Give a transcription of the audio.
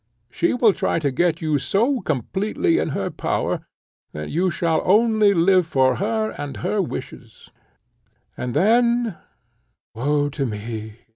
She will try to get you so completely in her power, that you shall only live for her and her wishes, and then woe to me!